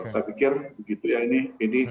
saya pikir begitu ya ini